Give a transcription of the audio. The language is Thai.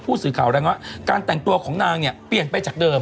สื่อข่าวแรงว่าการแต่งตัวของนางเนี่ยเปลี่ยนไปจากเดิม